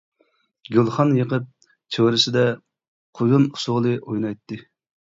گۈلخان يېقىپ، چۆرىسىدە قويۇن ئۇسۇلى ئوينايتتى.